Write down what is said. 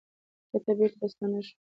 ګټه بېرته راستانه شوه.